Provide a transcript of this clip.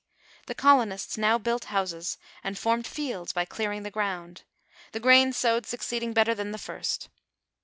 The colonists now built houses, and formed fields by clearing the ground, the grain sowed succeeding better than the first.